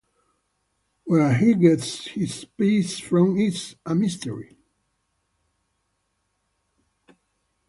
Where he gets his pace from is a mystery.